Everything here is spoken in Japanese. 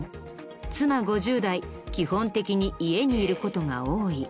妻５０代基本的に家にいる事が多い。